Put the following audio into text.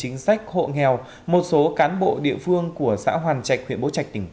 hình ảnh quen thuộc của làng quê việt